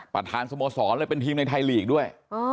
ประธานสโมสรเป็นทีมในไทยลีกด้วย